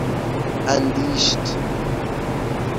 اندیشت